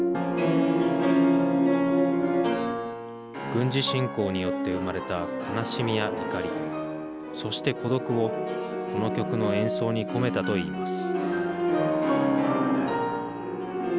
軍事侵攻によって生まれた悲しみや怒りそして孤独を、この曲の演奏に込めたといいます。